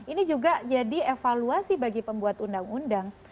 ini juga jadi evaluasi bagi pembuat undang undang